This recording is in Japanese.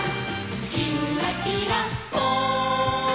「きんらきらぽん」